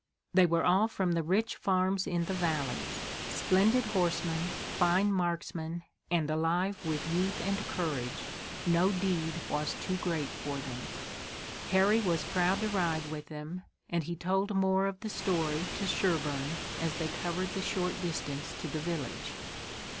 They were all from the rich farms in the valleys. Splendid horsemen, fine marksmen, and alive with youth and courage, no deed was too great for them. Harry was proud to ride with them, and he told more of the story to Sherburne as they covered the short distance to the village.